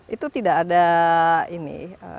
itu tidak ada ini